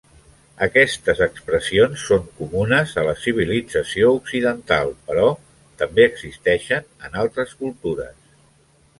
Aquestes expressions són comunes a la civilització occidental, però també existeixen en altres cultures.